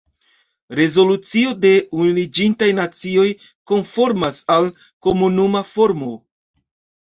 Rezolucio de Unuiĝintaj Nacioj konformas al komuna formo.